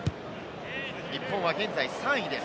日本は現在３位です。